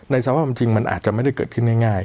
สภาพความจริงมันอาจจะไม่ได้เกิดขึ้นง่าย